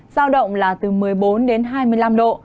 giao động là từ một mươi bốn đến hai mươi năm độ